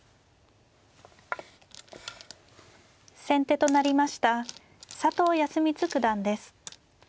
先手となりました佐藤康光九段です。